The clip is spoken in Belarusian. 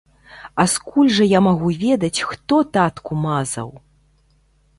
А скуль жа я магу ведаць, хто татку мазаў?